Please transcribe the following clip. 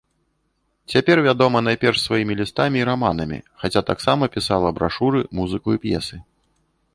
Цяпер вядома найперш сваімі лістамі і раманамі, хаця таксама пісала брашуры, музыку і п'есы.